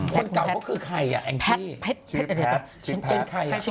คนเก่าเขาคือใครอ่ะแองที่